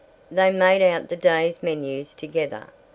They made out the day's menus together.